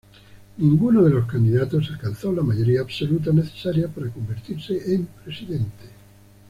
Ninguno de los candidatos alcanzó la mayoría absoluta necesaria para convertirse en presidente.